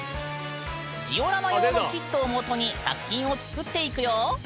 ジオラマ用のキットを基に作品を作っていくよ！